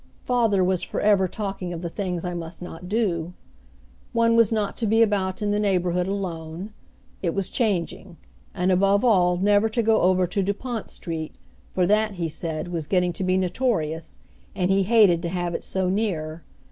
Father was for ever talking of the things I must not do. One was not to be about in our neighborhood alone. It was changing. And above all never to go over to Dupont Street, for that, he said was getting to be notorious, and he hated to have it so near.